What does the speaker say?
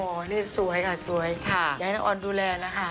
โอ้โหนี่สวยค่ะสวยอยากให้น้องออนดูแลนะคะ